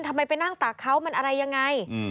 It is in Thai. ทำไมไปนั่งตักเขามันอะไรยังไง